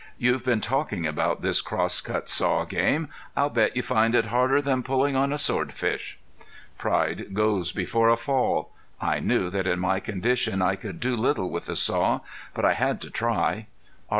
"You've been talking about this crosscut saw game. I'll bet you find it harder than pulling on a swordfish." Pride goes before a fall! I knew that in my condition I could do little with the saw, but I had to try. R.C.